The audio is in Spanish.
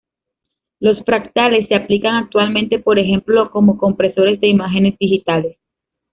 Los fractales se aplican actualmente por ejemplo como compresores de imágenes digitales.